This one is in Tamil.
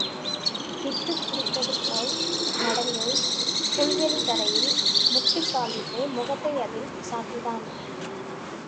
பித்துப் பிடித்ததுபோல் நடந்து புல்வெளித் தரையில் முட்டுக்காலிட்டு, முகத்தை அதில் சாத்தினான்.